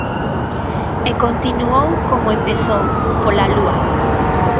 E continuou como empezou: pola lúa.